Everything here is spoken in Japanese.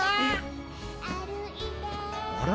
あれ？